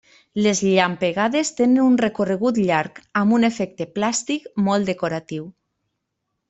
Les llampegades tenen un recorregut llarg amb un efecte plàstic molt decoratiu.